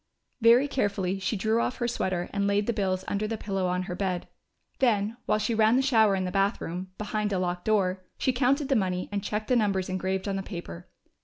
Very carefully she drew off her sweater and laid the bills under the pillow on her bed. Then, while she ran the shower in the bathroom, behind a locked door, she counted the money and checked the numbers engraved on the paper.